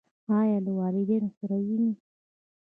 ایا له والدینو سره وینئ؟